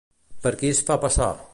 Per qui es fa passar?